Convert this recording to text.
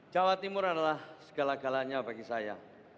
jawa timur adalah segala galanya bagi saya